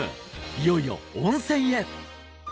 いよいよ温泉へ！